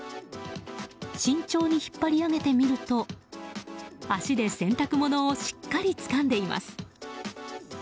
慎重にひっぱり上げてみると脚で洗濯物をしっかりつかんでいます。